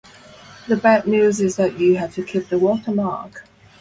The bad news is that you have to keep the watermark.